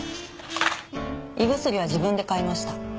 胃薬は自分で買いました。